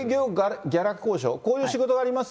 ギャラ交渉、こういう仕事があります